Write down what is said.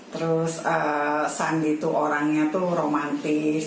terus sandi itu orangnya tuh romantis